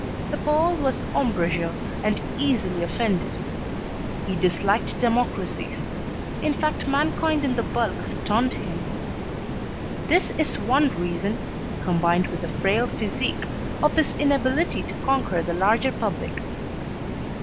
The Pole was ombrageux and easily offended; he disliked democracies, in fact mankind in the bulk stunned him. This is one reason, combined with a frail physique, of his inability to conquer the larger public.